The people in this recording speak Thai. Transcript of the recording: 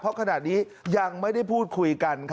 เพราะขณะนี้ยังไม่ได้พูดคุยกัน